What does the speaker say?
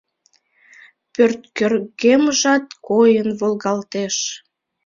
Пӧрткӧргемжат койын волгалтеш.